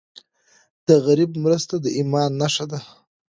د غریب مرسته د ایمان نښه ده.